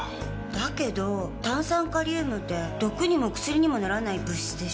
だけど炭酸カリウムって毒にも薬にもならない物質でしょ？